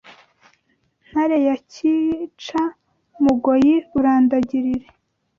Ntare ya Cyica-mugoyi urandagirire